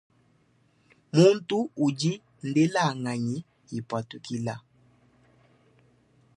Muntu udi ndelanganyi ipatukila.